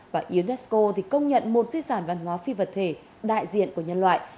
và unesco công nhận một di sản văn hóa phi vật thể đại diện của nhân loại